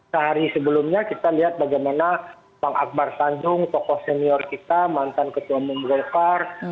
sehari sebelumnya kita lihat bagaimana bang akbar sandung tokoh senior kita mantan ketua mumgolkar